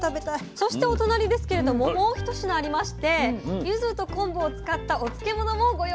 そしてお隣ですけれどももう一品ありましてゆずと昆布を使ったお漬物もご用意いたしました。